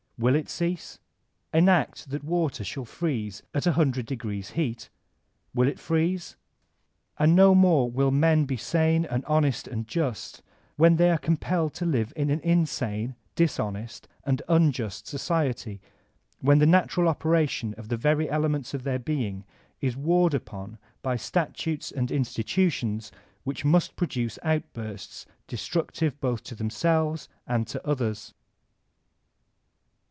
Will it cease? Enact that water shall freeze at 100* beat Will it freeze? And no more will men be sane and honest and just when they are compelled to live in an insane, dishonest, and unjust society, when the natural operation of the very elements of their being is warred upon by statutes and institutions which must produce outbursts destructive both to themselves and to others.